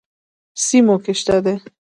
سیموکې شته دي.